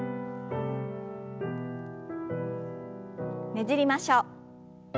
ねじりましょう。